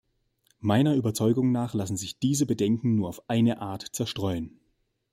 Meiner Überzeugung nach lassen sich diese Bedenken nur auf eine Art zerstreuen.